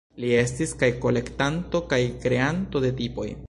Li estis kaj kolektanto kaj kreanto de tipoj.